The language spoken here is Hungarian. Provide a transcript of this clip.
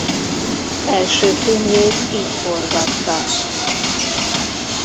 Első filmjét itt forgatta.